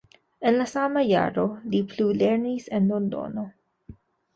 En la sama jaro li plulernis en Londono.